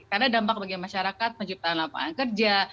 karena dampak bagi masyarakat menciptakan lapangan kerja